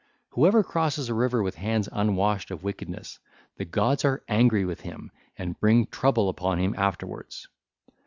Whoever crosses a river with hands unwashed of wickedness, the gods are angry with him and bring trouble upon him afterwards.